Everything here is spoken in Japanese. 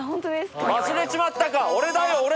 忘れちまったか俺だよ俺！